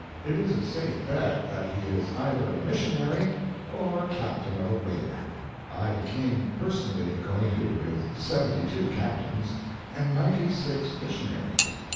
It is a safe bet that he is either a missionary or captain of a whaler. I became personally acquainted with seventy two captains and ninety six missionaries.